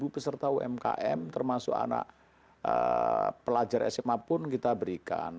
tujuh peserta umkm termasuk anak pelajar sma pun kita berikan